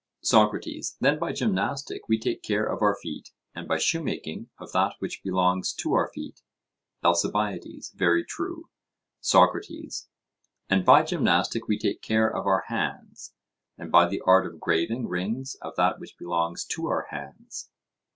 SOCRATES: Then by gymnastic we take care of our feet, and by shoemaking of that which belongs to our feet? ALCIBIADES: Very true. SOCRATES: And by gymnastic we take care of our hands, and by the art of graving rings of that which belongs to our hands?